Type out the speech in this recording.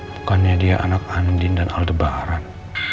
bukannya dia anak andin dan aldebaran